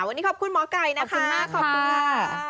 วันนี้ขอบคุณหมอไก่นะคะขอบคุณมากขอบคุณมาก